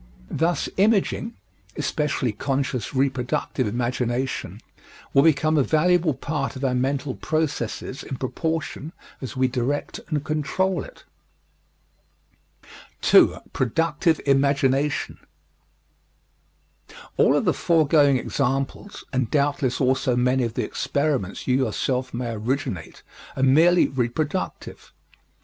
Thus, imaging especially conscious reproductive imagination will become a valuable part of our mental processes in proportion as we direct and control it. 2. Productive Imagination All of the foregoing examples, and doubtless also many of the experiments you yourself may originate, are merely reproductive.